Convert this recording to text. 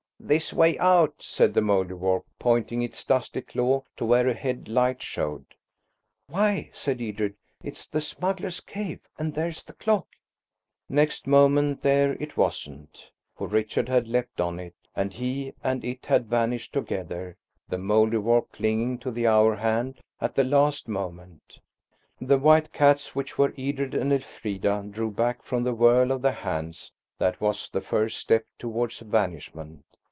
"This way out," said the Mouldiwarp, pointing its dusty claw to where ahead light showed. "Why," said Edred, "it's the smuggler's cave–and there's the clock!" Next moment there it wasn't, for Richard had leapt on it, and he and it had vanished together, the Mouldiwarp clinging to the hour hand at the last moment. The white cats, which were Edred and Elfrida, drew back from the whirl of the hands that was the first step towards vanishment.